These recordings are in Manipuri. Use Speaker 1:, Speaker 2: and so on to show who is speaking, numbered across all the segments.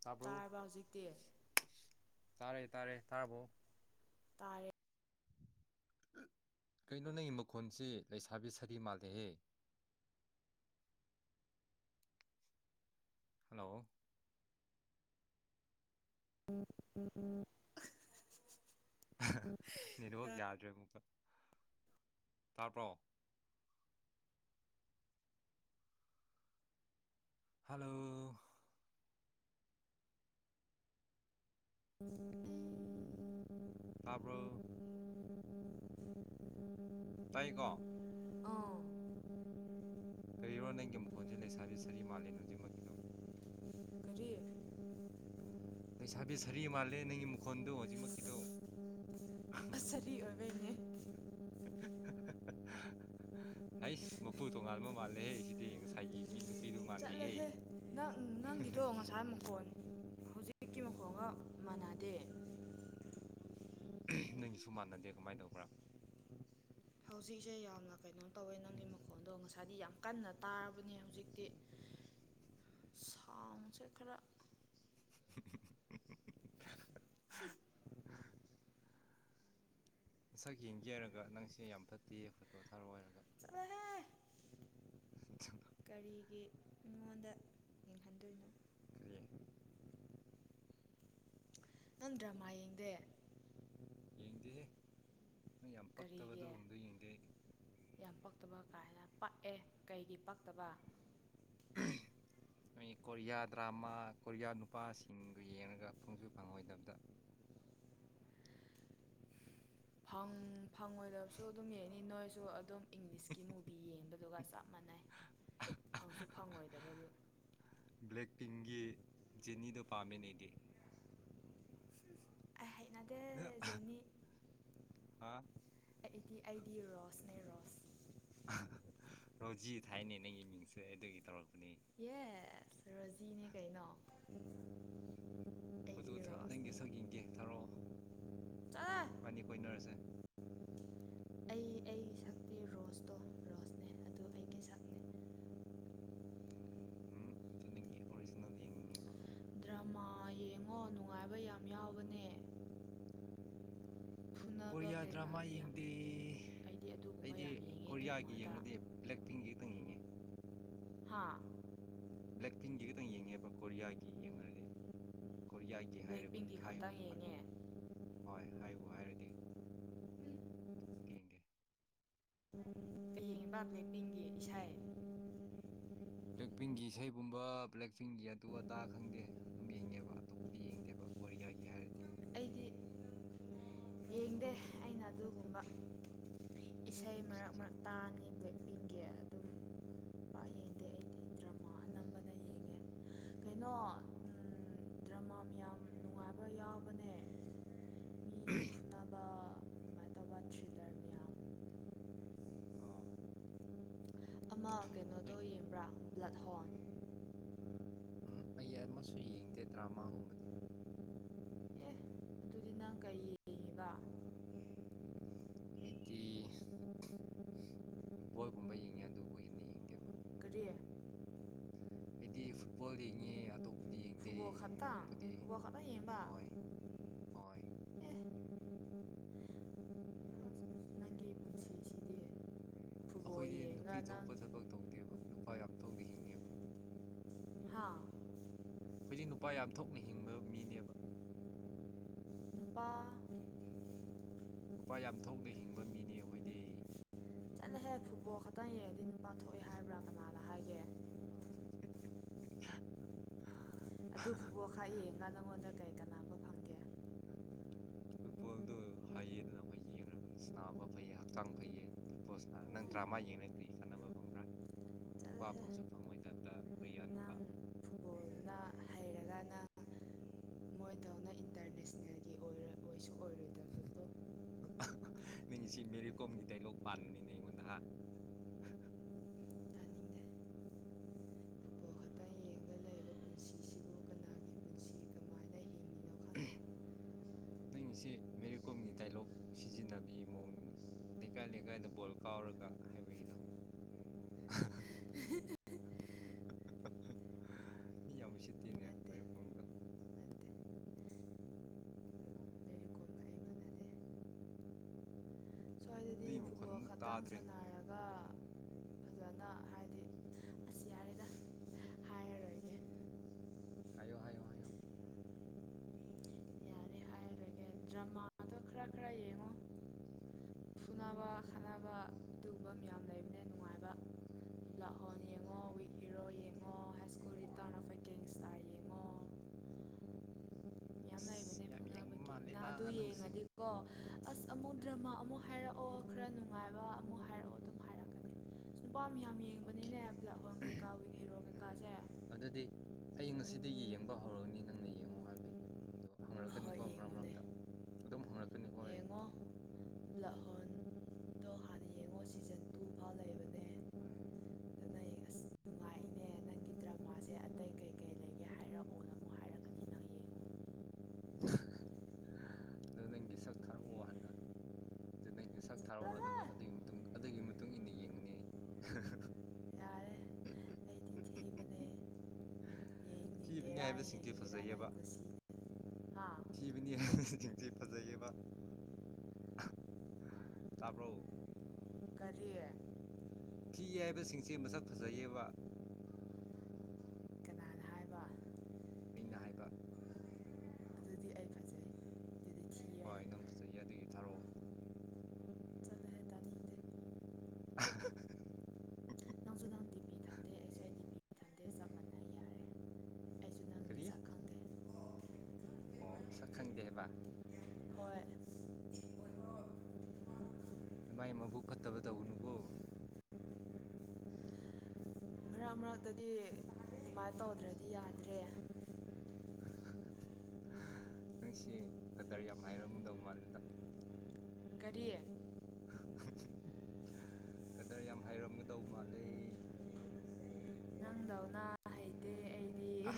Speaker 1: ꯇꯥꯕ꯭ꯔꯣ
Speaker 2: ꯇꯥꯔꯕ ꯍꯧꯖꯤꯛꯇꯤ
Speaker 1: ꯇꯥꯔꯦ ꯇꯥꯔꯦ ꯊꯥꯕꯣ
Speaker 2: ꯇꯥꯔꯦ
Speaker 1: ꯀꯩꯅꯣ ꯅꯪꯒꯤ ꯃꯈꯣꯟꯁꯤ ꯂꯩꯁꯥꯕꯤ ꯁꯥꯔꯤ ꯃꯥꯜꯂꯦꯍꯦ ꯍꯜꯂꯣ
Speaker 2: [unintelligible]
Speaker 1: ꯅꯦꯠꯋꯥꯛ ꯌꯥꯗ꯭ꯔꯦ ꯑꯃꯨꯛꯀ ꯇꯥꯕ꯭ꯔꯣ ꯍꯜꯂꯣ
Speaker 2: [inaudible] [inaudible]
Speaker 1: ꯇꯥꯕ꯭ꯔꯣ
Speaker 2: [inaudible]
Speaker 1: ꯇꯥꯏꯀꯣ
Speaker 2: ꯑ [inaudible]
Speaker 1: ꯀꯔꯤꯔꯣ ꯅꯪꯒꯤ ꯃꯈꯣꯟꯁꯦ ꯂꯩꯁꯥꯕꯤ ꯁꯔꯤ ꯃꯥꯜꯂꯦ ꯍꯖꯤꯛꯃꯛꯀꯤꯗꯣ
Speaker 2: [unintelligible]
Speaker 1: ꯂꯩꯁꯥꯕꯤ ꯁꯥꯔꯤ ꯃꯥꯜꯂꯦ ꯅꯪꯒꯤ ꯃꯈꯣꯟꯗꯣ ꯍꯧꯖꯤꯛꯃꯛꯀꯤꯗꯣ
Speaker 2: [unintelligible] ꯑꯣꯏꯕꯩꯅꯦ [inaudible]
Speaker 1: [inaudible] ꯍꯁ ꯃꯄꯨ ꯇꯣꯉꯥꯟꯕꯥꯟꯕ ꯃꯥꯜꯂꯦ ꯍꯥꯏꯁꯤꯗꯤ ꯉꯁꯥꯏꯒꯤ ꯃꯤ ꯅꯨ
Speaker 2: ꯆꯠꯂꯍꯦ ꯅꯪ ꯅꯪꯒꯤꯗꯣ ꯉꯁꯥꯏ ꯃꯈꯣꯟ ꯍꯧꯖꯤꯛꯀꯤ ꯃꯈꯣꯡꯒ ꯃꯥꯟꯅꯗꯦ ꯎ [inaudible] [inaudible]
Speaker 1: [unintelligible] ꯅꯪꯒꯤꯁꯨ ꯃꯥꯟꯅꯗꯦ ꯀꯃꯥꯏꯅ ꯇꯧꯕ꯭ꯔꯥ
Speaker 2: ꯍꯧꯖꯤꯛꯁꯦ ꯌꯥꯝꯅ ꯀꯩꯅꯣ ꯇꯧꯋꯦ ꯅꯪꯒꯤ ꯃꯈꯣꯟꯗꯣ ꯉꯁꯥꯏꯗꯤ ꯌꯥꯝ ꯀꯟꯅ ꯇꯥꯔꯕꯅꯦ ꯍꯧꯖꯤꯛꯇꯤ ꯁꯥꯎꯟꯁꯦ ꯈꯔ
Speaker 1: [inaudible] ꯃꯁꯛ ꯌꯦꯡꯒꯦ ꯍꯥꯏꯔꯒ ꯅꯪꯁꯦ ꯌꯥꯝ ꯐꯠꯇꯦ ꯐꯣꯇꯣ ꯊꯥꯔ ꯑꯣꯏꯔꯒ
Speaker 2: [unintelligible]
Speaker 1: [inaudible]
Speaker 2: ꯀꯔꯤꯒꯤ ꯃꯤꯉꯣꯟꯗ ꯌꯦꯡꯍꯟꯗꯣꯏꯅꯣ
Speaker 1: ꯀꯔꯤꯌꯦ
Speaker 2: ꯅꯪ ꯗ꯭ꯔꯃꯥ ꯌꯦꯡꯗꯦ
Speaker 1: ꯌꯦꯡꯗꯦꯍꯦ ꯅꯣꯏ ꯌꯥꯝ ꯄꯛꯇꯕ
Speaker 2: ꯀꯔꯤꯒꯤ
Speaker 1: ꯑꯗꯨꯒꯨꯝꯕꯗꯣ ꯌꯦꯡꯗꯦ ꯑꯩ
Speaker 2: ꯌꯥꯝ ꯄꯛꯇꯕ ꯀꯥ ꯍꯥꯏꯅ ꯄꯛꯑꯦ ꯀꯩꯒꯤ ꯄꯛꯇꯕ
Speaker 1: [inaudible] ꯃꯤ ꯀꯣꯔꯤꯌꯥ ꯗ꯭ꯔꯃꯥ ꯀꯣꯔꯤꯌꯥ ꯅꯨꯄꯥꯁꯤꯡꯗꯨ ꯌꯦꯡꯉꯒ ꯐꯪꯁꯨ ꯐꯪꯉꯣꯏꯗꯕꯗ
Speaker 2: ꯐꯪ ꯐꯪꯉꯣꯏꯗꯕꯁꯨ ꯑꯗꯨꯝ ꯌꯦꯡꯅꯤ ꯅꯣꯏꯁꯨ ꯑꯗꯨꯝ ꯏꯪꯂꯤꯁꯀꯤ ꯃꯨꯚꯤ ꯌꯦꯡꯕꯗꯨꯒ ꯆꯞ ꯃꯥꯟꯅꯩ ꯐꯪꯁꯨ ꯐꯪꯉꯣꯏꯗꯕꯗꯨ
Speaker 1: ꯕ꯭ꯂꯦꯛ ꯄꯤꯡꯒꯤ ꯖꯦꯅꯤꯗꯣ ꯄꯥꯝꯃꯦꯅꯦ ꯑꯩꯗꯤ
Speaker 2: ꯑꯥꯏ ꯍ ꯍꯩꯅꯗꯦ ꯖꯦꯅꯤ
Speaker 1: ꯍꯥ
Speaker 2: [inaudible] ꯑꯩꯗꯤ ꯑꯩꯗꯤ ꯔꯣꯁꯅꯦ ꯔꯣꯁ
Speaker 1: ꯔꯣꯖꯤ ꯊꯥꯏꯅꯦ ꯅꯪꯒꯤ ꯃꯤꯡꯁꯦ ꯑꯗꯨꯒꯤ ꯇꯧꯔꯛꯄꯅꯤ
Speaker 2: ꯌꯦ ꯔꯣꯖꯤꯅꯦ ꯀꯩꯅꯣ
Speaker 1: ꯐꯣꯇꯣ
Speaker 2: ꯑꯩꯗꯤ
Speaker 1: ꯅꯪꯒꯤ
Speaker 2: ꯔꯣꯁꯅꯦ
Speaker 1: ꯁꯛ ꯌꯦꯡꯒꯦ ꯊꯥꯔꯛꯑꯣ
Speaker 2: ꯆꯠꯂꯣꯍꯦ
Speaker 1: ꯏꯕꯥꯟꯅꯤ ꯀꯣꯏꯅꯔꯁꯦ
Speaker 2: ꯑꯩ ꯑꯩꯒꯤ ꯁꯛꯇꯤ ꯔꯣꯁꯇꯣ ꯔꯣꯁꯅꯦ ꯑꯗꯨ ꯑꯩꯒꯤ ꯁꯛꯅꯦ [inaudible]
Speaker 1: ꯎꯝ ꯎꯝ ꯑꯗꯨ ꯅꯪꯒꯤ ꯑꯣꯔꯤꯖꯤꯅꯦꯜ ꯌꯦꯡꯅꯤꯡꯉꯦꯕ
Speaker 2: ꯗ꯭ꯔꯃꯥ ꯌꯦꯡꯉꯣ ꯅꯨꯡꯉꯥꯏꯕ ꯌꯥꯝ ꯌꯥꯎꯕꯅꯦ [unintelligible]
Speaker 1: ꯀꯣꯔꯤꯌꯥ ꯗ꯭ꯔꯃꯥ
Speaker 2: ꯀꯩꯀꯥꯒꯤ ꯌꯥꯝ
Speaker 1: ꯌꯦꯡꯗꯦ
Speaker 2: ꯌꯦꯡ ꯑꯩꯗꯤ ꯑꯗꯨꯒꯨꯝꯕ
Speaker 1: ꯑꯩꯗꯤ
Speaker 2: ꯌꯥꯝ ꯌꯦꯡꯉꯦ
Speaker 1: ꯀꯣꯔꯤꯌꯥꯒꯤ ꯌꯦꯡꯉꯗꯦ ꯕ꯭ꯂꯦꯛ ꯄꯤꯡꯒꯤ ꯇꯪ ꯌꯦꯡꯉꯦ
Speaker 2: [unintelligible] ꯍꯥꯥ [inaudible]
Speaker 1: ꯕ꯭ꯂꯦꯛ ꯄꯤꯡꯒꯤ ꯈꯤꯇꯪ ꯌꯦꯡꯉꯦꯕ ꯀꯣꯔꯤꯌꯥꯒꯤ ꯌꯦꯡꯉꯔꯗꯤ ꯀꯣꯔꯤꯌꯥꯒꯤ
Speaker 2: ꯕ꯭ꯂꯦꯛ ꯄꯤꯡꯒꯤ
Speaker 1: ꯍꯥꯏꯔꯕꯗꯤ ꯍꯥꯏ
Speaker 2: ꯈꯛꯇꯪ ꯌꯦꯡꯉꯦ
Speaker 1: ꯍꯣꯏ ꯍꯥꯏꯕꯨ ꯍꯥꯏꯔꯗꯤ
Speaker 2: [unintelligible]
Speaker 1: ꯀꯤꯗ‌ꯦ
Speaker 2: [unintelligible] ꯏꯃꯥꯕꯂ‌ꯦꯛ ꯄꯤꯡ ꯒꯤ ꯏꯁ‌ꯩ [inaudible]
Speaker 1: ꯕ꯭ꯂꯦꯛ ꯄꯤꯡꯒꯤ ꯏꯁꯩꯒꯨꯝꯕ ꯕ꯭ꯂꯦꯛ ꯄꯤꯡꯒꯤ ꯑꯗꯨ ꯑꯗꯥ ꯈꯪꯗꯦ ꯑꯗꯨꯝ ꯌꯦꯡꯉꯦꯕ ꯑꯇꯣꯞꯄ ꯌꯦꯡꯗꯦꯕ ꯀꯣꯔꯤꯌꯥꯒꯤ ꯍꯥꯏꯔꯗꯤ
Speaker 2: ꯑꯩꯗꯤ ꯌꯦꯡꯗꯦ ꯑꯩꯅ ꯑꯗꯨꯒꯨꯝ ꯏꯁꯩ ꯃꯔꯛ
Speaker 1: ꯀ꯭ꯔꯤꯁꯦ
Speaker 2: ꯃꯔꯛ ꯇꯥꯡꯕꯤ ꯗ‌ꯦ ꯏꯟꯒꯦ ꯑꯗꯨꯝ ꯄ ꯌꯦꯡꯗꯦ ꯑꯩꯗꯤ ꯗ꯭ꯔꯃꯥ ꯑꯅꯝꯕꯅ ꯌꯦꯡꯉꯦ ꯀꯩꯅꯣ ꯗ꯭ꯔꯃꯥ ꯌꯥꯝ ꯅꯨꯡꯉꯥꯏꯕ ꯌꯥꯎꯕꯅꯦ [inaudible]
Speaker 1: [unintelligible]
Speaker 2: [unintelligible] ꯊ꯭ꯔꯤꯂꯔ ꯃ꯭ꯌꯥꯝ
Speaker 1: ꯑꯣ
Speaker 2: [inaudible] ꯑ
Speaker 1: ꯍꯣꯏ
Speaker 2: [unintelligible] [inaudible]
Speaker 1: ꯎꯝ ꯑꯩ ꯑꯃꯁꯨ ꯌꯦꯡꯗꯦ ꯗꯔꯥꯃꯉꯥꯒꯨꯝꯕꯗꯤ
Speaker 2: ꯑꯦ ꯑꯗꯨꯗꯤ ꯅꯪ ꯀꯩ [unintelligible]
Speaker 1: ꯑꯩꯇꯤ
Speaker 2: [inaudible]
Speaker 1: ꯐꯨꯠꯕꯣꯜꯒꯨꯝꯕ ꯌꯦꯡꯉꯦ ꯑꯗꯨꯕꯨ ꯍꯦꯟꯅ ꯌꯦꯡꯗꯦꯕ
Speaker 2: ꯀꯔꯤ
Speaker 1: ꯑꯩꯗꯤ ꯐꯨꯠꯕꯣꯜ ꯌꯦꯡꯉ‌ꯦ ꯑꯇꯣꯞꯄꯗꯤ ꯌꯦꯡꯗꯦ
Speaker 2: ꯐꯨꯠꯕꯣꯜ ꯈꯛꯇꯪ
Speaker 1: ꯑꯇꯣꯞꯄꯗꯤ ꯑꯩ
Speaker 2: ꯐꯨꯠꯕꯣꯜ ꯈꯛꯇꯪ ꯌꯦꯡꯕ
Speaker 1: ꯍꯣꯏ ꯍꯣꯏ
Speaker 2: ꯅꯪꯒꯤ ꯄꯨꯟꯁꯤ ꯁꯤꯗꯤ ꯐꯨꯠ
Speaker 1: ꯑꯈꯣꯏꯗꯤ ꯅꯨꯄꯤ ꯊꯣꯛꯄ ꯊꯕꯛ ꯇꯧꯗꯦꯕ ꯅꯨꯄꯥ ꯌꯥꯝ ꯊꯣꯛꯅ ꯍꯤꯡꯉꯦꯕ
Speaker 2: [inaudible] ꯍꯥꯥ
Speaker 1: ꯑꯩꯈꯣꯏꯖꯤ ꯅꯨꯄꯥ ꯌꯥꯝ ꯊꯣꯛꯅ ꯍꯤꯡꯕ ꯃꯤꯅꯦꯕ
Speaker 2: [inaudible] ꯄꯥ
Speaker 1: ꯅꯨꯄꯥ ꯌꯥꯝ ꯊꯣꯛꯅ ꯍꯤꯡꯕ ꯃꯤꯅꯦ ꯑꯈꯣꯏꯗꯤ
Speaker 2: ꯆꯠ ꯆꯍꯦ ꯐꯨꯨꯠꯕꯣ ꯈꯇꯍꯩꫪꯗꯤ ꯅꯨꯄꯥ ꯍꯣꯏ ꯍꯥꯏꯕ꯭ꯔꯥ ꯀꯅꯥꯅ ꯍꯥꯏꯒꯦ
Speaker 1: [unintelligible]
Speaker 2: ꯑꯗꯨ ꯐꯨꯕꯣꯛ ꯈꯔ ꯌꯦꯡꯉꯒ ꯅꯪꯉꯣꯟꯗ ꯀꯩ ꯀꯥꯅꯥ ꯐꯪꯇꯦ
Speaker 1: ꯐꯨꯠꯕꯣꯜꯗꯨ ꯍꯌꯦꯗꯅ ꯑꯈꯣꯏ ꯌꯦꯡꯒ ꯅꯥꯕ ꯐꯩꯌꯦ ꯍꯛꯆꯥꯡ ꯐꯩꯌꯦ ꯄꯨꯔꯄꯣꯁ ꯑ ꯅꯪ ꯗ꯭ꯔꯥꯃꯥ ꯌꯦꯡꯔ ꯀ꯭ꯔꯤ ꯀꯥꯟꯅꯕ ꯐꯪꯕ꯭ꯔꯥ
Speaker 2: [inaudible]
Speaker 1: ꯅꯨꯄꯥ ꯐꯪꯁꯨ ꯐꯪꯉꯣꯏꯗꯕꯗ ꯀꯣꯔꯤꯌꯥ ꯅꯨꯄꯥ
Speaker 2: ꯅꯪ ꯐꯨꯠꯕꯣꯜꯗ ꯍꯩꯔꯒꯅ ꯃꯣꯏ ꯏꯗꯧꯅ ꯏꯟ ꯀ꯭ꯔꯤꯁꯅꯒꯤ ꯑꯣ ꯑꯣꯏꯁꯨ ꯑꯣꯏꯔꯣꯏꯗꯥ
Speaker 1: ꯃꯤꯡꯁꯤ ꯃꯦꯔꯤ ꯀꯣꯝꯒꯤ ꯗꯥꯏꯂꯣꯛ ꯄꯥꯟꯕꯅꯤꯅꯦ ꯑꯩꯉꯣꯟꯗ ꯍꯥ
Speaker 2: ꯇꯥꯅꯤꯡꯗꯦ ꯐꯨꯠꯕꯣꯜ ꯈꯇ ꯌꯦꯡꯉ ꯂꯩꯔ ꯄꯨꯟꯁꯤ ꯁꯤꯕꯨ ꯀꯅꯥꯒꯤ ꯄꯨꯟꯁꯤꯗ ꯃꯥꯅ ꯍꯤꯡꯉꯤꯅꯣꯕ
Speaker 1: ꯎꯝꯍ ꯅꯪꯒꯤꯁꯦ ꯃꯦꯔꯤ ꯀꯣꯝꯒꯤ ꯗꯥꯏꯂꯣꯛ ꯁꯤꯖꯤꯟꯅꯕꯒꯤ ꯃꯑꯣꯡꯅꯤꯅꯦ ꯂꯩꯀꯥꯏ ꯂꯩꯀꯥꯏꯗ ꯕꯣꯜ ꯀꯥꯎꯔꯒ ꯍꯥꯏꯕꯒꯤꯗꯣ ꯎꯍ ꯃꯤ ꯌꯥꯝꯕ ꯎꯁꯤꯠꯇꯦꯅꯦ
Speaker 2: ꯅꯠꯇꯦ
Speaker 1: ꯃꯦꯔꯤꯀꯣꯝꯗꯣ
Speaker 2: ꯅꯠꯇꯦ ꯃꯦꯔꯤ ꯀꯣꯝꯗꯣ ꯑꯩ ꯃꯥꯅꯗꯦ ꯁ꯭ꯋꯥꯏꯗꯗꯤ
Speaker 1: ꯅꯪꯒꯤ ꯃꯈꯣꯟ
Speaker 2: ꯐꯨꯠꯕꯣꯜ
Speaker 1: ꯑꯃꯨꯛ
Speaker 2: ꯈꯛꯇꯪ
Speaker 1: ꯇꯥꯗ꯭ꯔꯦ
Speaker 2: ꯁꯥꯟꯅꯔꯒ ꯐꯖꯅ ꯍꯥꯏꯗꯤ ꯑꯁ ꯌꯥꯔꯦꯗ ꯍꯥꯏꯔꯔꯣꯏꯒꯦ
Speaker 1: ꯍꯥꯏꯌꯣ ꯍꯥꯏꯌꯣ ꯍꯥꯏꯌꯣ
Speaker 2: ꯎꯝ ꯌꯥꯔꯦ ꯍꯥꯏꯔꯔꯣꯏꯒꯦ ꯗ꯭ꯔꯃꯥꯗꯣ ꯈꯔ ꯈꯔ ꯌꯦꯡꯉꯣ ꯐꯨꯅꯕ ꯈꯠꯅꯕ ꯑꯗꯨꯒꯨꯝꯕ ꯃꯌꯥꯝ ꯂꯩꯕꯅ ꯅꯨꯡꯉꯥꯏꯕ ꯂꯥꯛꯍꯣꯜ ꯌꯦꯡꯉꯣ
Speaker 1: ꯎꯝ
Speaker 2: ꯋꯤꯛꯍꯤꯔꯣ ꯑꯣ ꯌꯦꯡꯉꯣ ꯍꯥꯏ ꯁ꯭ꯀꯨꯜ ꯔꯤꯇ꯭ꯔꯅ ꯑꯐꯦꯔ ꯒꯦꯡꯁꯇꯥꯔ ꯌꯦꯡꯑꯣ ꯉꯣ
Speaker 1: ꯑꯁ ꯌꯥꯝ ꯌꯦꯡꯕ ꯃꯥꯟ
Speaker 2: ꯑꯗꯨ ꯌꯦꯡꯉꯗꯤ ꯀꯣ ꯑꯁ ꯑꯃꯨꯛ
Speaker 1: ꯎꯝ
Speaker 2: ꯗ꯭ꯔꯃꯥ ꯑꯃꯨꯛ ꯍ ꯍꯥꯏꯔꯛꯑꯣ ꯈꯔ ꯅꯨꯡꯉꯥꯏꯕ ꯑꯃꯨꯛ ꯍꯥꯏꯔꯛꯑꯣ ꯑꯗꯨꯝ ꯍꯥꯏꯔꯛꯀꯅꯤ ꯏꯁ ꯅꯨꯄꯥ ꯃꯌꯥꯝ
Speaker 1: ꯑꯣꯀꯦ
Speaker 2: ꯌꯦꯡꯕꯅꯤꯅꯦ ꯕ꯭ꯂꯦꯛꯍꯣꯟ ꯀꯩꯀꯥ ꯋꯤꯛ ꯍꯦꯔꯣ
Speaker 1: ꯎꯝ
Speaker 2: ꯀꯩꯀꯥꯁꯦ
Speaker 1: ꯑꯗꯨꯗꯤ ꯑꯩ ꯉꯁꯤꯗꯒꯤ ꯌꯦꯡꯕ ꯍꯧꯔꯒꯅꯤ ꯅꯪꯅ ꯌꯦꯡꯉꯣ ꯍꯥꯏꯕꯒꯤ ꯑꯗꯗꯣ
Speaker 2: ꯍꯣꯏ
Speaker 1: ꯍꯪꯔꯛꯀꯅꯤꯀꯣ ꯃꯔꯛ
Speaker 2: ꯌꯦꯡꯉꯨꯅꯦ
Speaker 1: ꯃꯔꯛꯇ ꯑꯗꯨꯝ ꯍꯪꯔꯛꯀꯅꯤꯀꯣ ꯑꯩ
Speaker 2: ꯑꯣ ꯂꯍꯣꯟꯗꯣ ꯍꯥꯟꯅ ꯌꯦꯡꯉꯣ ꯁꯤꯖꯟ ꯇꯨ ꯐꯥꯎ ꯂꯩꯕ ꯗꯦꯟ ꯑꯁ ꯅꯨꯡꯉꯥꯏꯅꯦ ꯅꯪꯒꯤ ꯗ꯭ꯔꯃꯥꯁꯦ ꯑꯇꯩ ꯀꯩꯀꯩ ꯂꯩꯒꯦ ꯍꯥꯏꯔꯛꯑꯣ ꯀꯣꯟꯅ ꯑꯃꯨꯛ ꯍꯥꯏꯔꯛꯀꯅꯤꯅꯪ ꯌꯦꯡꯉꯨ
Speaker 1: ꯑ ꯅꯪꯅꯪꯒꯤ ꯁꯛ ꯊꯥꯔꯛꯑꯣ ꯍꯥꯟꯅ ꯑꯗꯨ ꯅꯪꯒꯤ ꯁꯛ ꯊꯥꯔꯛꯑꯣ ꯑꯗꯨꯒ ꯑꯗꯨꯒꯤ ꯃꯇꯨꯡ ꯑꯗꯨꯒꯤ ꯃꯇꯨꯡ ꯏꯟꯅ ꯌꯦꯡꯒꯅꯤ ꯑꯩ
Speaker 2: ꯌꯥꯔꯦ ꯑꯩꯗꯤꯊꯤꯕꯅꯦ ꯌꯦꯡ
Speaker 1: ꯊꯤꯕꯅꯦ ꯍꯥꯏꯕꯁꯤꯡꯁꯤ ꯐꯖꯩꯌꯦꯕ
Speaker 2: [unintelligible] ꯍꯥ
Speaker 1: ꯊꯤꯕꯅꯤ ꯍꯥꯏꯕꯁꯤꯡꯁꯦ ꯐꯖꯩꯌꯦꯕ
Speaker 2: [unintelligible]
Speaker 1: ꯑꯍ ꯇꯥꯕ꯭ꯔꯣ
Speaker 2: ꯑꯥ ꯀꯔꯤ ꯎꯝ
Speaker 1: ꯐꯤ ꯍꯥꯏꯏꯕꯁꯤꯡꯁꯦ ꯃꯁꯛ ꯐꯖꯩꯌꯦꯕ
Speaker 2: ꯀꯅꯥꯅꯣ ꯍꯥꯏꯕ
Speaker 1: ꯑꯩꯅ ꯍꯥꯏꯕ
Speaker 2: ꯑꯗꯨꯗꯤ ꯑꯩ ꯐꯖꯩ ꯑꯗꯨꯗꯤ
Speaker 1: ꯍꯣꯏ ꯅꯪ ꯐꯖꯒꯦ ꯑꯗꯨꯒꯤ ꯊꯥꯔꯛꯑꯣ
Speaker 2: ꯆꯂ ꯇ
Speaker 1: [unintelligible]
Speaker 2: ꯅꯁꯨꯗꯥꯟꯗꯤꯤ ꯄꯗ ꯗ ꯑꯩꯁꯦꯃꯤꯠꯗꯦ ꯆꯞꯃꯥꯟꯅ ꯌꯥꯔꯦ ꯑꯩꯁꯨ ꯅꯪ
Speaker 1: ꯀ ꯀ꯭ꯔꯤ
Speaker 2: ꯅꯁꯛ ꯈꯪꯗꯦ
Speaker 1: ꯑꯣ ꯁꯛ ꯈꯪꯗꯦ ꯍꯥꯏꯕ
Speaker 2: ꯍꯣꯏ
Speaker 1: ꯃꯥꯏ ꯃꯕꯨꯛ ꯐꯠꯇꯕ ꯇꯧꯒꯅꯨꯀꯣ
Speaker 2: [inaudible] ꯃꯔꯛ ꯃꯔꯛꯇꯗꯤ ꯚꯥꯏ ꯇꯧꯗ꯭ꯔꯗꯤ ꯌꯥꯗ꯭ꯔꯦ [inaudible]
Speaker 1: ꯅꯪ ꯁꯤ ꯐꯗꯔ ꯌꯥꯝ ꯍꯥꯏꯔꯃꯨꯗꯧ ꯃꯥꯜꯂꯦꯗ
Speaker 2: [inaudible] ꯀꯔꯤꯑꯦ
Speaker 1: ꯀꯗꯔ ꯌꯥꯝ ꯍꯥꯏꯔꯝꯒꯗꯧꯕ ꯃꯥꯜꯂꯦ
Speaker 2: ꯑ ꯍꯤꯡꯗꯥꯎꯅ ꯀꯍꯩꯗꯤꯦ ꯑꯩꯗꯤ
Speaker 1: ꯑ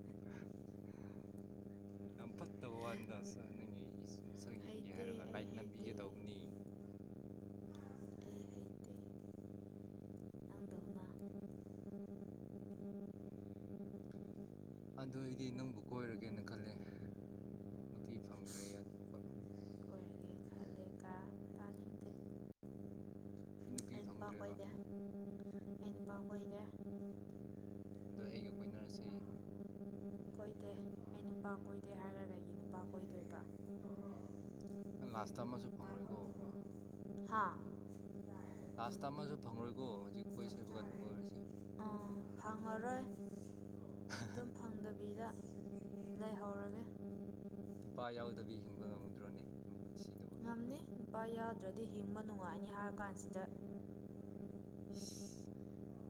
Speaker 2: [unintelligible]
Speaker 1: ꯌꯥꯝ ꯐꯠꯇꯕ ꯋꯥꯟꯗ ꯁꯛ ꯅꯪꯒꯤ ꯁꯨꯝ ꯁꯛ ꯌꯦꯡꯒꯦ ꯍꯥꯏꯔꯒ ꯂꯥꯏꯠ ꯅꯝꯕꯤꯒꯦ ꯇꯧꯕꯅꯤ
Speaker 2: ꯗ ꯑꯗꯨ
Speaker 1: ꯑꯗꯨꯣ ꯑꯩꯗꯤ ꯅꯪꯕꯨ ꯀꯣꯏꯔꯒꯦꯅ ꯈꯜꯂꯦ ꯅꯨꯄꯤ ꯐꯪꯗ꯭ꯔꯦ ꯌꯥꯊꯣꯛꯄ
Speaker 2: ꯑꯣꯏꯣꯏꯔꯒꯦ ꯈꯜꯂꯦ ꯀꯥ ꯇꯥꯅꯤꯡꯗꯦ
Speaker 1: ꯅꯨꯄꯤ ꯐꯥꯎ
Speaker 2: ꯄꯥ ꯑꯣꯏꯗꯦ ꯎꯝꯝ ꯑꯩꯅ ꯄꯥꯎ ꯑꯣꯏꯔꯦ ꯎꯝ
Speaker 1: ꯑꯗꯣ ꯑꯩꯒ ꯀꯣꯏꯅꯔꯁꯩ
Speaker 2: ꯎ ꯎ ꯀꯣꯏꯗꯦ ꯑꯩ ꯕꯥ ꯀꯣꯏꯗꯦ ꯍꯥꯏꯔꯔꯒ ꯑꯩꯒꯤ ꯕꯥ ꯀꯣꯏꯗꯣꯏꯕ꯭ꯔꯥ ꯎ ꯎ
Speaker 1: ꯅ ꯂꯥꯁꯇ ꯑꯃꯁꯨ ꯐꯪꯉꯣꯏꯀꯣ
Speaker 2: ꯑ ꯍꯥꯥ ꯗ
Speaker 1: ꯂꯥꯁꯇ ꯑꯃꯁꯨ ꯐꯪꯔꯣꯏꯀꯣ ꯍꯧꯖꯤꯛ ꯀꯣꯏ ꯁꯦꯕ ꯀꯥꯟꯗ ꯀꯣꯏꯔꯁꯦ
Speaker 2: ꯑꯥ ꯐꯪꯉꯔꯣꯏ ꯑꯗꯨꯝ
Speaker 1: [inaudible]
Speaker 2: ꯐꯪꯗꯕꯤꯗ ꯂꯩꯍꯧꯔꯒꯦ ꯎꯝ ꯎꯝ
Speaker 1: ꯅꯨꯨꯄꯥ ꯌꯥꯎꯗꯕꯤ ꯍꯤꯡꯕ ꯉꯝꯃꯨꯗ꯭ꯔꯣꯅꯦ ꯅꯪ ꯄꯨꯟꯁꯤꯗꯨꯕ
Speaker 2: ꯑꯅꯦ ꯏ ꯌꯥꯗ꯭ꯔꯗꯤ ꯍꯤꯡꯕ ꯅꯨꯡꯉꯥꯏꯑꯅꯤ ꯍꯥꯏꯔ ꯀꯥꯟꯁꯤꯗ ꯎ ꯎ
Speaker 1: ꯏꯁ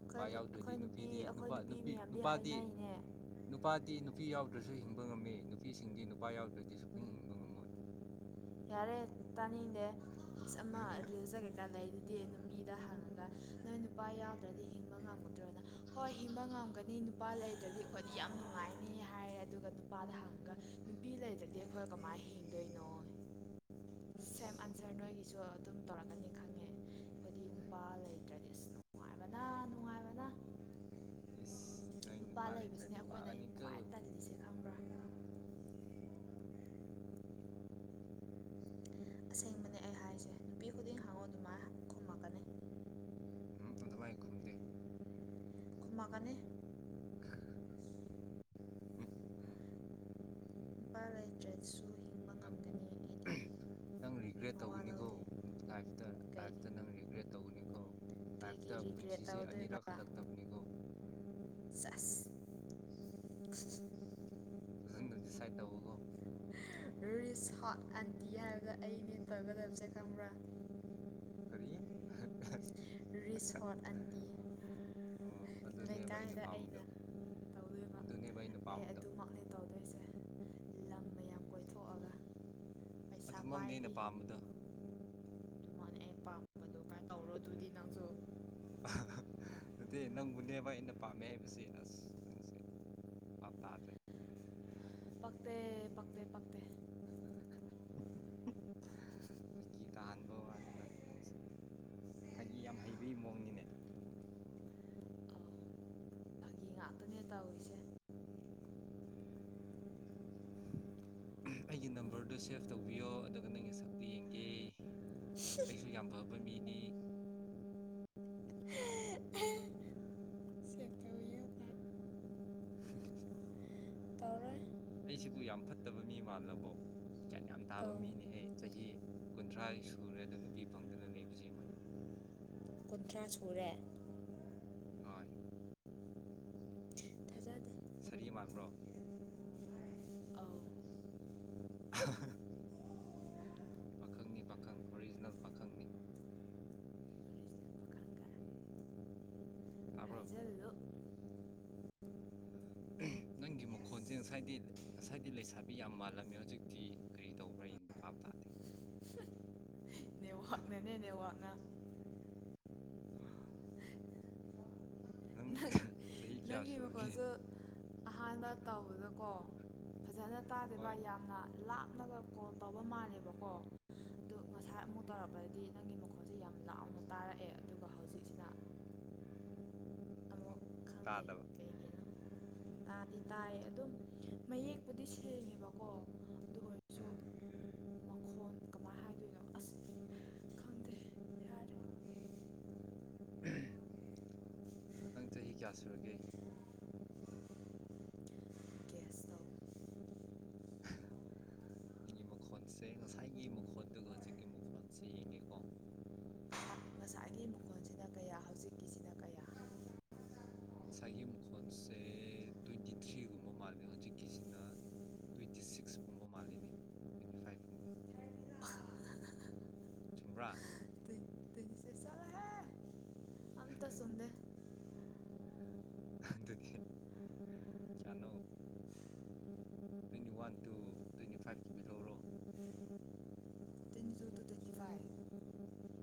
Speaker 1: ꯅꯨꯄꯥ ꯌꯥꯎꯗ꯭ꯔꯗꯤ
Speaker 2: ꯅꯨꯄꯤ
Speaker 1: ꯅꯨꯄꯤꯗꯤ
Speaker 2: ꯑꯩꯈꯣꯏ
Speaker 1: ꯅꯨꯄꯥ ꯅꯨꯄꯤ
Speaker 2: ꯃꯌꯥꯝꯗꯤ
Speaker 1: ꯅꯨꯄꯥꯗꯤ
Speaker 2: ꯍꯥꯏꯅꯩꯅꯦ
Speaker 1: ꯅꯨꯄꯥꯗꯤ ꯅꯨꯄꯤ ꯌꯥꯎꯗ꯭ꯔꯁꯨ ꯍꯤꯡꯕ ꯉꯝꯃꯤ ꯅꯨꯄꯤꯁꯤꯡꯗꯤ ꯅꯨꯄꯥ ꯌꯥꯎꯗ꯭ꯔꯗꯤ ꯁꯨ ꯄꯪ ꯍꯤꯡꯕ ꯉꯝꯃꯣꯏ
Speaker 2: ꯌꯥꯔꯦ ꯇꯅꯤꯗꯦꯃ ꯑꯂꯤ ꯌꯖ ꯀꯦ ꯀꯥꯗ ꯍꯥꯏꯗꯤ
Speaker 1: ꯁꯥ
Speaker 2: ꯗ ꯍꯥꯡꯉꯒ ꯅꯣꯏ ꯅꯨꯄꯥ ꯌꯥꯎꯗ꯭ꯔꯗꯤ ꯍꯤꯡꯕ ꯉꯝꯃꯗ꯭ꯔꯣꯅ ꯍꯣꯏ ꯍꯤꯡꯕ ꯉꯝꯒꯅꯤ ꯅꯨꯄꯥ ꯂꯩꯇ꯭ꯔꯗꯤ ꯌꯥꯝ ꯅꯨꯡꯉꯥꯏꯅꯤ ꯍꯥꯏꯔꯦ ꯑꯗꯨꯒ ꯅꯨꯄꯥꯗ ꯍꯥꯡꯉꯒ ꯅꯨꯄꯤ ꯂꯩꯗꯗꯤ ꯑꯩꯈꯣꯏ ꯀꯃꯥꯏꯅ ꯍꯤꯡꯗꯣꯏꯅꯣ ꯁꯦꯝ
Speaker 1: ꯏꯁ
Speaker 2: ꯑꯟꯁꯔ ꯅꯣꯏꯒꯤꯁꯨ ꯑꯗꯨꯝ ꯇꯧꯔꯛꯀꯅꯤ ꯈꯪꯉꯦ ꯗꯤꯒꯨꯝꯕ ꯂꯩꯇ꯭ꯔꯗꯤ ꯑꯁ ꯅꯨꯡꯉꯥꯏꯕꯅ ꯅꯨꯡꯉꯥꯏꯕꯅ
Speaker 1: ꯏꯁ ꯅꯣꯏ
Speaker 2: ꯅꯨꯄꯥ ꯂꯩꯕꯁꯤꯅꯦ
Speaker 1: ꯂꯩꯇ꯭ꯔꯗꯤ
Speaker 2: ꯑꯩꯈꯣꯏꯅ
Speaker 1: ꯋꯥꯒꯅꯤꯀꯣ
Speaker 2: ꯈ꯭ꯋꯥꯏ ꯇꯜꯂꯤꯁꯦ ꯈꯪꯕ꯭ꯔꯥ ꯇꯨꯔꯨ ꯑꯁꯦꯡꯕꯅꯦ ꯑꯩ ꯍꯥꯏꯁꯦ ꯅꯨꯄꯤ ꯈꯨꯗꯤꯡ ꯍꯥꯡꯉꯣ ꯑꯗꯨꯃꯥꯏ ꯀ ꯃꯥꯒ
Speaker 1: ꯑꯗꯨꯃꯥꯏꯅ ꯈꯨꯝꯗꯦ
Speaker 2: ꯎ ꯃꯥꯒꯅꯦ ꯑ
Speaker 1: ꯎꯝ ꯎꯝ
Speaker 2: ꯎ ꯏꯄꯥ ꯂꯩꯇ꯭ꯔꯁꯨ ꯍꯤꯡꯕ
Speaker 1: ꯅꯥꯞ
Speaker 2: ꯉꯝꯒꯅꯤ ꯑꯩꯗꯤ
Speaker 1: ꯅꯪ ꯔꯤꯒ꯭ꯔꯦꯠ
Speaker 2: ꯃꯋꯥ
Speaker 1: ꯇꯧꯒꯅꯤꯀꯣ
Speaker 2: ꯂꯧꯗꯦ
Speaker 1: ꯂꯥꯏꯐꯇ
Speaker 2: ꯀꯩ
Speaker 1: ꯂꯥꯏꯐꯇ ꯅꯪ ꯔꯤꯒ꯭ꯔꯦꯠ ꯇꯧꯒꯅꯤꯀꯣ
Speaker 2: ꯀꯩꯒꯤ
Speaker 1: ꯂꯥꯏꯐꯇ ꯄꯨꯟꯁꯤꯁꯦ ꯑꯅꯤꯔꯛ ꯍꯜꯂꯛꯇꯕꯅꯤꯀꯣ
Speaker 2: ꯎ ꯆꯁ
Speaker 1: ꯐꯖꯅ ꯗꯤꯁꯥꯏꯠ ꯇꯧꯒꯣ
Speaker 2: ꯍꯥ ꯔꯤꯁ ꯍꯣꯠ ꯑꯟꯇꯤ ꯍꯥꯏꯕꯗ ꯑꯩꯅꯦ ꯇꯧꯒꯗꯕꯁꯦ ꯀꯪꯕ꯭ꯔꯥ ꯎ
Speaker 1: ꯈꯔꯤꯌꯦ
Speaker 2: ꯔꯔꯤꯁ ꯍꯣꯔꯠ ꯑꯟꯗꯤ
Speaker 1: ꯑ ꯑꯗꯨꯅꯦꯕ ꯑꯩꯅ ꯄꯥꯝꯕꯗꯣ
Speaker 2: ꯎꯝ ꯇꯧꯋ
Speaker 1: ꯑꯗꯨꯅꯦꯕ ꯑ ꯅꯨꯄꯥꯝꯕꯗꯣ
Speaker 2: ꯈꯅꯦ ꯇꯧꯗꯣꯏꯁꯦ ꯂꯝ ꯃꯌꯥꯝ ꯀꯣꯏꯊꯣꯛꯑꯒ ꯎꯝ
Speaker 1: ꯑꯗꯨꯃꯛꯅꯦ ꯑꯩꯅ ꯄꯥꯝꯕꯗꯣ
Speaker 2: ꯑꯗꯨꯃꯅ ꯑ ꯄꯥꯝꯕꯗꯣ ꯀꯥꯏꯅ ꯇꯧꯔꯣꯏ ꯅꯝ
Speaker 1: ꯑꯗꯨꯗꯤ ꯅꯪꯕꯨꯅꯦꯕ ꯑꯩꯅ ꯄꯥꯝꯃꯦ ꯍꯥꯏꯕꯁꯦ ꯑꯁ ꯅꯪꯁꯦ
Speaker 2: ꯎ
Speaker 1: ꯍ ꯇꯥ꯭ꯔꯦ
Speaker 2: ꯁꯥ ꯄꯛ ꯄꯛ ꯄꯛꯇ ꯎꯝ
Speaker 1: ꯎꯟ ꯐꯥꯒꯤ ꯇꯥꯍꯟꯕ ꯀꯥꯟꯗ ꯅꯪꯁꯦ ꯐꯥꯒꯤ ꯌꯥꯝ ꯍꯩꯕꯒꯤ ꯃꯑꯣꯡꯅꯤꯅꯦ
Speaker 2: ꯇꯨꯔꯨ ꯀ ꯉꯥꯛꯇꯅꯦ ꯇꯧꯔꯤꯁꯦ ꯎ
Speaker 1: ꯑꯩꯒꯤ ꯅꯝꯕꯔꯗꯨꯣ ꯁꯦꯞ ꯇꯧꯕꯤꯌꯣ ꯑꯗꯨꯒ ꯅꯪꯒꯤ ꯁꯛꯇꯨ ꯌꯦꯡꯒꯦ ꯑꯩꯁꯨ ꯌꯥꯝ ꯐꯕ ꯃꯅꯤꯅꯤ
Speaker 2: ꯎ ꯍ ꯁꯤꯠꯀ
Speaker 1: ꯎꯝ
Speaker 2: ꯇꯥꯎꯔ
Speaker 1: ꯑꯩꯁꯤꯕꯨ ꯌꯥꯝ ꯐꯠꯇꯕ ꯃꯤ ꯃꯥꯜꯂꯕꯧ ꯌꯥꯟ ꯌꯥꯝ ꯇꯥꯕ
Speaker 2: ꯑꯧ
Speaker 1: ꯃꯤꯅꯤꯍꯦ ꯆꯍꯤ ꯀꯨꯟꯊ꯭ꯔꯥ ꯁꯨꯔꯦ ꯑꯗ ꯅꯨꯄꯤ ꯐꯪꯗꯅ ꯂꯩꯕ ꯌꯦꯡꯕꯅꯤ
Speaker 2: ꯎꯝ ꯀꯨꯟꯊ꯭ꯔꯥ ꯁꯨꯔꯦ [unintelligible]
Speaker 1: ꯍꯣꯏ
Speaker 2: ꯊꯥꯖꯥꯗꯦ
Speaker 1: ꯁꯔꯤ ꯃꯥꯟꯕ꯭ꯔꯣ
Speaker 2: ꯑꯥꯎ
Speaker 1: [unintelligible]
Speaker 2: [unintelligible]
Speaker 1: ꯄꯥꯈꯪꯅꯤ ꯄꯥꯈꯪ ꯑꯣꯔꯤꯖꯤꯅꯦꯜ ꯄꯥꯈꯪꯅꯤ
Speaker 2: ꯈꯒ
Speaker 1: ꯇꯥꯔꯕꯣ
Speaker 2: ꯍꯂꯣ
Speaker 1: ꯅꯪꯒꯤ ꯃꯈꯣꯟꯁꯦ ꯉꯁꯥꯏꯗꯤ ꯉꯁꯥꯏꯗꯤ ꯂꯩꯁꯥꯕꯤ ꯌꯥꯝ ꯃꯥꯜꯂꯝꯃꯦ ꯍꯧꯖꯤꯛꯇꯤ ꯀꯔꯤ ꯇꯧꯕ꯭ꯔꯥꯡ ꯄꯥꯞ ꯇꯥꯗꯦ
Speaker 2: ꯅꯦꯍ ꯋꯥꯒꯅꯦꯅꯦ ꯅꯦꯍꯋꯥꯛꯅ [unintelligible]
Speaker 1: ꯅꯪ ꯆꯍꯤ ꯀꯌꯥꯁꯨ
Speaker 2: ꯑꯗꯨꯒꯣꯁꯨ ꯑꯍꯥꯟꯅ ꯇꯧꯕꯗꯀꯣ ꯐꯖꯅ ꯇꯥꯗꯦꯕ
Speaker 1: ꯍꯣꯏ
Speaker 2: ꯌꯥꯝꯅ ꯂꯥꯞꯂꯒ ꯀꯣꯜ ꯇꯧꯕ ꯃꯥꯜꯂꯦꯕꯀꯣ ꯑꯗꯨ ꯉꯁꯥꯏ
Speaker 1: ꯎꯝ
Speaker 2: ꯑꯃꯨꯛ ꯇꯧꯔꯛꯄꯗꯗꯤ ꯅꯪꯒꯤ ꯃꯈꯣꯟꯜꯁꯦ ꯌꯥꯝ ꯂꯥꯎꯅ ꯇꯥꯔꯛꯑꯦ ꯑꯗꯨꯒ ꯍꯧꯖꯤꯛꯁꯤꯅ ꯑꯃꯛ
Speaker 1: ꯀꯥꯗꯕ
Speaker 2: ꯀ ꯇꯥꯗꯤ ꯇꯥꯏ ꯑꯗꯨꯝ ꯃꯌꯦꯛꯄꯨꯗꯤ ꯁꯦꯡꯉꯦꯕꯀꯣ
Speaker 1: ꯎꯝ
Speaker 2: ꯃꯥꯡꯈꯣꯣꯟꯜ ꯀꯃꯥꯏꯅ ꯍꯥꯏꯗꯣꯏꯅꯣ ꯑꯁꯤꯗꯤ ꯈꯪꯗꯦ ꯍꯥꯏꯔ
Speaker 1: ꯅꯪ ꯆꯍꯤ ꯀꯌꯥ ꯁꯨꯔꯒꯦ
Speaker 2: ꯁꯥꯎ
Speaker 1: [unintelligible] ꯑꯩꯒꯤ ꯃꯈꯣꯟꯜꯁꯦ ꯉꯁꯥꯏꯒꯤ ꯃꯈꯣꯟꯜꯗꯨꯒ ꯍꯧꯖꯤꯛꯀꯤ ꯃꯈꯣꯟꯁꯦ ꯌꯦꯡꯒꯦꯀꯣ
Speaker 2: [unintelligible]
Speaker 1: ꯎꯝ
Speaker 2: ꯉꯁꯥꯏꯒꯤ ꯃꯈꯣꯟꯁꯤꯗ ꯀꯌꯥ ꯍꯧꯖꯤꯛꯀꯤꯁꯤꯅ ꯀꯌꯥ [unintelligible]
Speaker 1: ꯉꯁꯥꯏꯒꯤ ꯃꯈꯣꯟꯁꯦ ꯇ꯭ꯋꯦꯟꯇꯤ ꯊ꯭ꯔꯤꯒꯨꯝꯕ ꯃꯥꯜꯂꯦ ꯍꯧꯖꯤꯛꯀꯤꯁꯤꯅ ꯇ꯭ꯋꯦꯟꯇꯤ ꯁꯤꯛꯁꯀꯨꯝꯕ ꯃꯥꯜꯂꯤꯅꯦ ꯇ꯭ꯋꯦꯟꯇꯤ ꯐꯥꯏꯚꯀꯨꯝꯕ
Speaker 2: ꯑ
Speaker 1: ꯆꯨꯝꯕ꯭ꯔꯥ
Speaker 2: ꯑꯗꯨ ꯦꯁꯥ ꯍꯥꯏ ꯑ ꯇ ꯁꯟꯗꯦ ꯎ
Speaker 1: ꯑꯗꯨꯗꯤ ꯀꯌꯥꯅꯣ
Speaker 2: ꯎ ꯎ
Speaker 1: twenty one two twenty five ꯀꯤꯕꯤ ꯂꯧꯔꯣ
Speaker 2: ꯃꯔ ꯇꯅꯤꯁꯨꯗꯨꯗꯒꯤꯚꯥꯏ